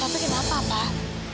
tapi kenapa pak